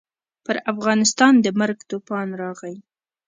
پر افغانستان د مرګ توپان راغلی دی.